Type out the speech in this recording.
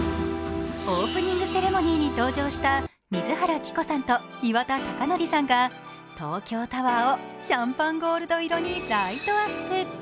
オープニングセレモニーに登場した水原希子さんと岩田剛典さんが東京タワーをシャンパンゴールド色にライトアップ。